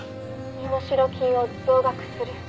「身代金を増額する」